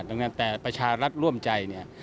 ตั้งแต่ประชารัฐร่วมใจ